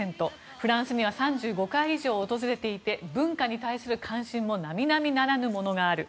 フランスには３５回以上訪れていて文化に対する関心も並々ならぬものがある。